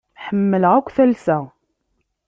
Ḥemmleɣ akk talsa.